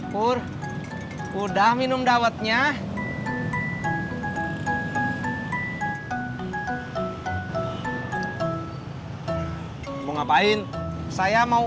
kalau kami nggak ke salon stomach